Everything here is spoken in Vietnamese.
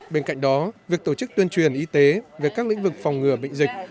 bên cạnh đó việc tổ chức tuyên truyền y tế về các lĩnh vực phòng ngừa bệnh dịch